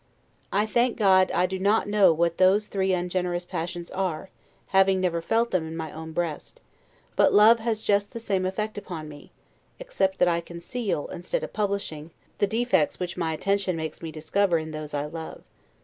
I thank God, I do not know what those three ungenerous passions are, having never felt them in my own breast; but love has just the same effect upon me, except that I conceal, instead of publishing, the defeats which my attention makes me discover in those I love.